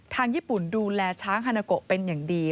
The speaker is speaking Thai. ทางญี่ปุ่นดูแลช้างฮานาโกเป็นอย่างดี